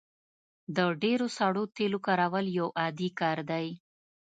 د ډیرو سړو تیلو کارول یو عادي کار دی